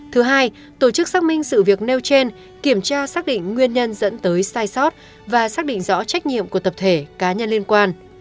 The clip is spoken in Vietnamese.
thứ hai tổ chức xác minh sự việc nêu trên kiểm tra xác định nguyên nhân dẫn tới sai sót và xác định rõ trách nhiệm của tập thể cá nhân liên quan